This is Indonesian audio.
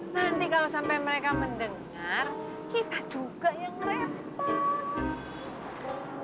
nanti kalau sampai mereka mendengar kita juga yang repot